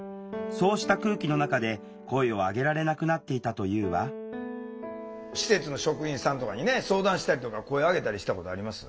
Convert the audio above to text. そうした空気の中で声を上げられなくなっていたというわ施設の職員さんとかにね相談したりとか声上げたりしたことあります？